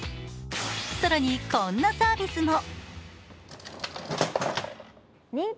更に、こんなサービスも。